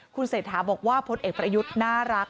คุณเศรษฐาบอกว่าพลเอกประยุทธ์น่ารัก